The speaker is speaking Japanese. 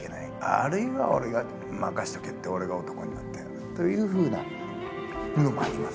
あるいは俺が任しとけって俺が男になってやるというふうなのもありますよね。